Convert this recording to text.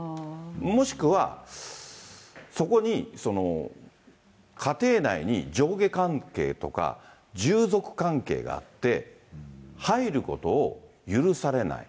もしくは、そこに家庭内に上下関係とか従属関係があって、入ることを許されない。